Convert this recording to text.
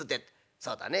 そうだねえ